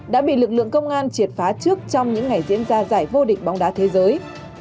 đã bị lực lượng công an triệt phá trước trong những ngày diễn ra giải vô địch bóng đá thế giới